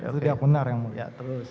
itu dia benar yang mulia